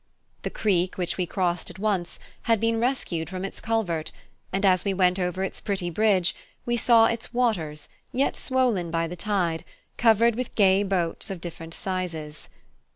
The Creek, which we crossed at once, had been rescued from its culvert, and as we went over its pretty bridge we saw its waters, yet swollen by the tide, covered with gay boats of different sizes.